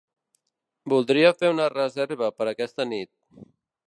Voldria fer una reserva per aquesta nit.